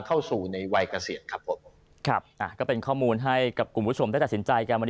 ก็เป็นข้อมูลให้กลุ่มผู้ชมได้ตัดสินใจกัน